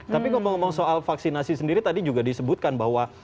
tapi ngomong ngomong soal vaksinasi sendiri tadi juga disebutkan bahwa